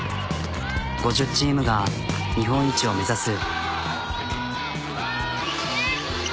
５０チームが日本一を目指す。